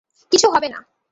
কিছু হবে না।